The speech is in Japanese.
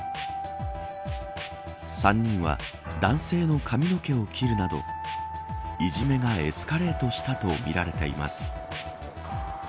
３人は男性の髪の毛を切るなどいじめがエスカレートしたとみられています。